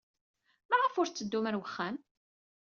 Maɣef ur tetteddum ɣer wexxam?